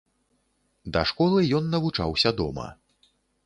Да школы ён навучаўся дома.